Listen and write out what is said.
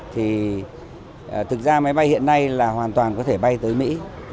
thì thực ra máy bay hiện nay là hoàn toàn có thể bay tới mỹ